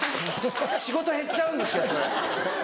仕事減っちゃうんですけどそれ。